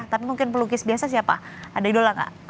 tapi mungkin pelukis biasa siapa ada idola nggak